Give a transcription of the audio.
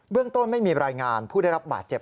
เรื่องต้นไม่มีรายงานผู้ได้รับบาดเจ็บ